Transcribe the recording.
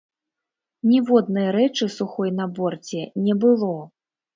Ніводнай рэчы сухой на борце не было.